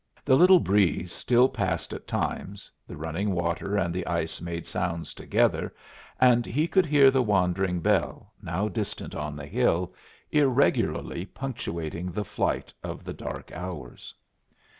The little breeze still passed at times, the running water and the ice made sounds together, and he could hear the wandering bell, now distant on the hill, irregularly punctuating the flight of the dark hours.